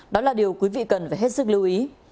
đó là điều quý vị cần phải hết sức lưu ý